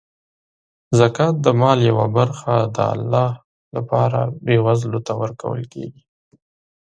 زکات د مال یوه برخه د الله لپاره بېوزلو ته ورکول کیږي.